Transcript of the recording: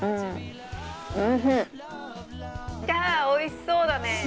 おいしそうだね。